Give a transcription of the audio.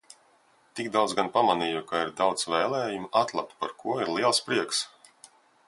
Tik daudz gan pamanīju, ka ir daudz vēlējumi atlabt, par ko ir liels prieks!